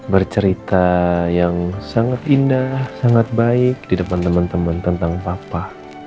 bercerita yang sangat indah sangat baik di depan teman teman tentang papa